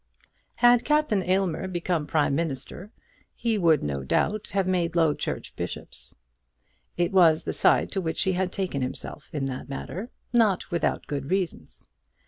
Had Captain Aylmer become Prime Minister, he would no doubt, have made Low Church bishops. It was the side to which he had taken himself in that matter, not without good reasons.